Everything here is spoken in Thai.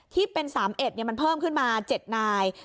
ที่เป็น๓๑มันเพิ่มขึ้นมา๗นาย